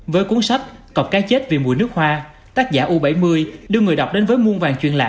với cuốn sách cặp cái chết vì mùa nước hoa tác giả u bảy mươi đưa người đọc đến với muôn vàng chuyện lạ